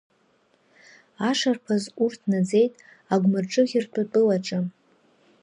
Ашарԥаз, урҭ наӡеит Агәмырҿыӷьырҭа Тәылаҿы.